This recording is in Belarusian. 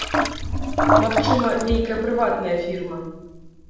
Магчыма, нейкая прыватная фірма.